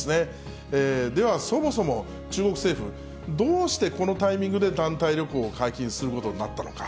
ではそもそも、中国政府、どうしてこのタイミングで、団体旅行を解禁することになったのか。